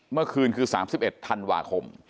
เมื่อคืนคือ๓๑ธันวาคม